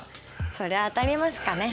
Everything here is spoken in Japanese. そりゃあ当たりますかね。